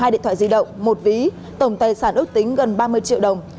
hai điện thoại di động một ví tổng tài sản ước tính gần ba mươi triệu đồng